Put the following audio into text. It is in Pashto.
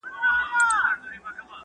توپان نه وو اسماني توره بلا وه `